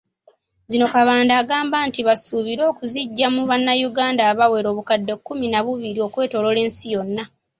Zino Kabanda agamba nti basuubira okuziggya mu bannayuganda abawera obukadde kkumi na bubiri okwetoloola ensi yonna.